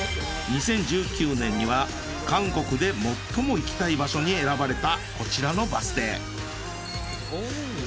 ２０１９年には韓国で最も行きたい場所に選ばれたこちらのバス停。